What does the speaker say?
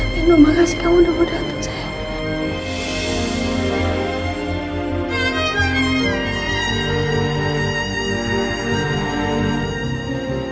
mino makasih kamu udah berantem sayang